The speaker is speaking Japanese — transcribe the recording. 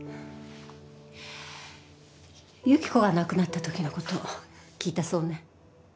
由紀子が亡くなったときのこと聞いたそうね。